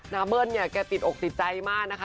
น้าเบิ้ลเนี่ยังปิดอกติใจมาก